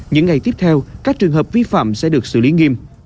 những ngày tiếp theo các trường hợp vi phạm sẽ được xử lý nghiêm